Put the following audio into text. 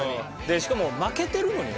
しかも負けてるのにな。